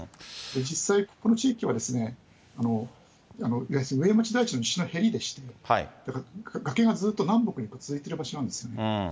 実際、ここの地域はうえまち台地のへりでして、崖がずっと南北に続いてる場所なんですね。